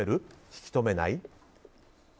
引き止めない？